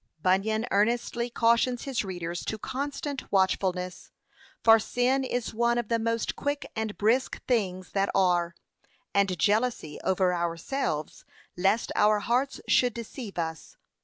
p. 518 Bunyan earnestly cautions his readers to constant watchfulness, 'for sin is one of the most quick and brisk things that are.' p. 515. And jealousy over ourselves, lest our hearts should deceive us.